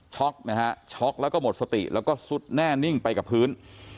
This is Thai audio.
นะฮะช็อกแล้วก็หมดสติแล้วก็ซุดแน่นิ่งไปกับพื้น